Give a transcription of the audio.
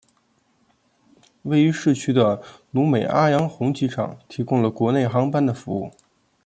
位于市区的努美阿洋红机场提供了国内航班的服务。